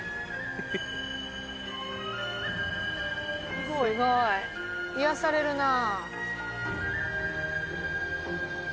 すごい。癒やされるなあ。